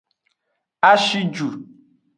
A shi ju.